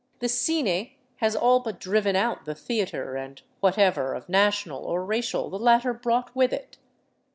The " Cine " has all but driven out the theater and whatever of national or racial the latter brought with it.